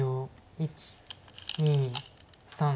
１２３。